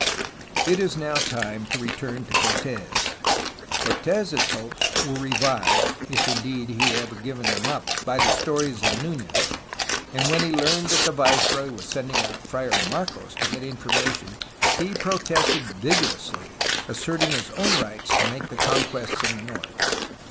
It is now time to return to Cortes. Cortes' hopes were revived, if indeed he had ever given them up, by the stories of Nunez, and when he learned that the viceroy was sending out Friar Marcos to get informa tion he protested vigorously, asserting his own rights to make the conquests in the north.